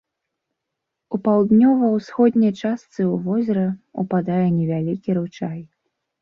У паўднёва-ўсходняй частцы ў возера ўпадае невялікі ручай.